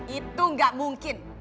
itu gak mungkin